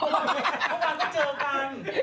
เมื่อวานก็เจอกัน